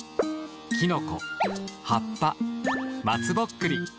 キノコ葉っぱまつぼっくり。